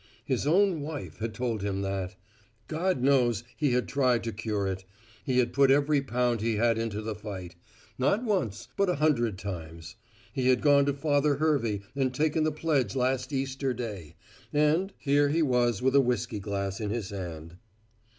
His own wife had told him that. God knows he had tried to cure it. He had put every pound he had into the fight; not once, but a hundred times. He had gone to Father Hervey and taken the pledge last Easter Day, and here he was with a whiskey glass in his hand.